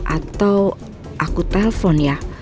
atau aku telpon ya